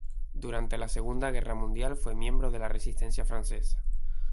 Durante la Segunda Guerra Mundial fue miembro de la Resistencia francesa.